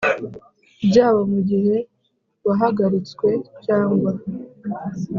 byawo mu gihe wahagaritswe cyangwa